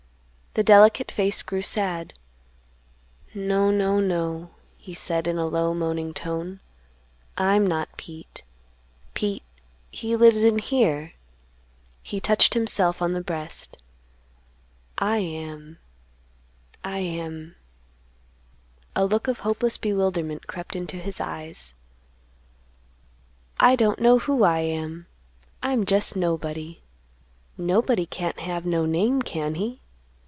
The delicate face grew sad: "No, no, no," he said in a low moaning tone; "I'm not Pete; Pete, he lives in here;" he touched himself on the breast. "I am—I am—" A look of hopeless bewilderment crept into his eyes; "I don't know who I am; I'm jest nobody. Nobody can't have no name, can he?"